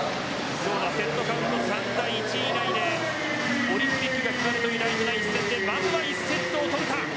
セットカウント３−１以内でオリンピックが決まるという大事な一戦でまずは１セットを取るか。